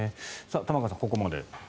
玉川さん、ここまで。